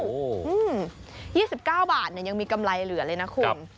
๒๙บาทเนี่ยยังมีกำไรเหลือเลยนะคุณ